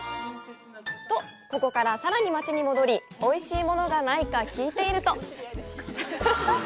と、ここからさらに町に戻り、おいしいものがないか聞いていると。